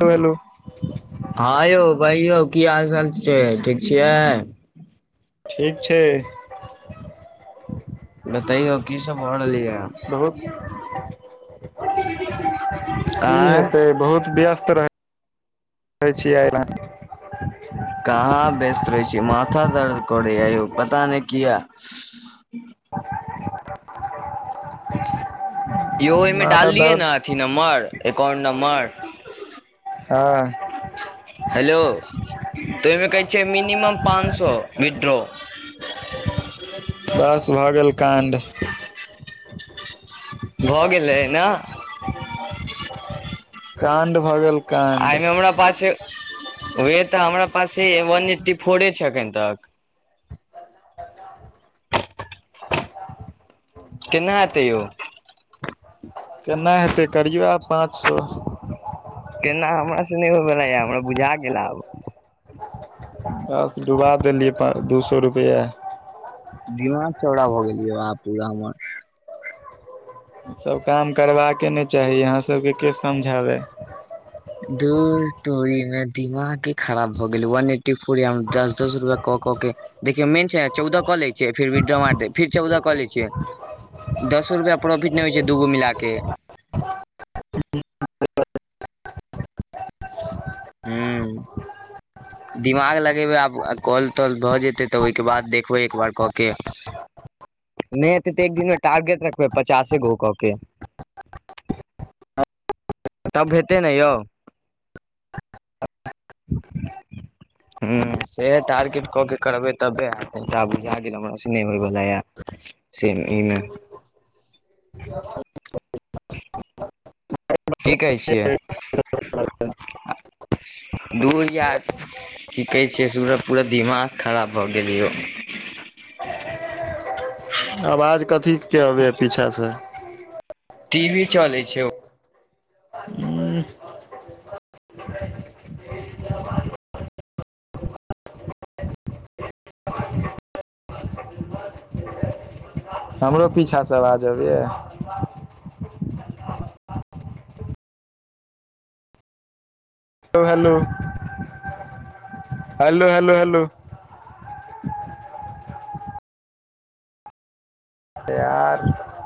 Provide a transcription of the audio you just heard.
hello [unintelligible] हँं यौ कहियौ की हालचाल छै ठीक छियै ठीक छै बताइौ की सब भऽ रहल यऽ बहुत की हेतै बहुत व्यस्त रह छिये आय [unintelligible] [unintelligible] कहाँ व्यस्त रहै छी माथा दर्द करैए यौ पता नहि किया [unintelligible] यो एमे डाल माथा लिए दर्द नऽ अथथि नम्बर एकाउंट नम्बर हँ हेलो तऽ ओहिमे कहै छियै मिनिमम पाँच सए विथड्रो बस भऽ गेल काण्ड [unintelligible] भऽ गेलै नऽ काण्ड भऽ गेल काण्ड एहिमे हमरा पास वह तऽ हमरा पास वन एट्टी फोरे छै एखन तक केना हेतै यौ केना हेतै करियो आब पाँच सए केना हमरा सऽ नहि होइवला या हमरा बुझा गेल आब बस डुबा देलियै पाँच दू सए रुपैआ दिमाग चौड़ा भऽ गेलियै आहाँ पूरा हमर ई सब काम करबाके नहि चाही अहाँ सबके के समझाबै घूर तोड़ीमे दिमागे खराब भऽ गेलै वन एट्टी फोर य दस दस रुपआ कऽ कऽ के देखियौ मेन छै ने चौदह कऽ लैिय फिर विड्रो मार फिर चौद कऽ ले छियै दसो रुपैआ प्रोफिट नहि होइ छै दूगो मिलाके हूं [inaudible] दिमाग लगेबै आब कॉल तल भऽ जेतै तऽ ओहिके बाद देखबै एकबार कऽ के नहि एते तऽ एक दिन मे टारगेट रखबे पचासे गो कऽ के तब हेतै नऽ यौ [inaudible] हू सेह टारगेट कऽ के करबै तबे हेत बुझा गेल हमरा स नहि होयवालला य से एहिमे की कहै छियै घूर यार की कहै छै से [unintelligible] पूरा दिमाग खराब भऽ गेलै यौ आवाज कथीके अबै हइ पीछाँ सऽ टीवी चले छै हू [inaudible] [inaudible] हमरो पीछा सँ आबाज अबैय हेलो [inaudible] हेलो हेलो हेलो प्यार [inaudible]